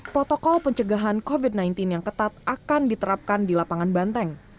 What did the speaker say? protokol pencegahan covid sembilan belas yang ketat akan diterapkan di lapangan banteng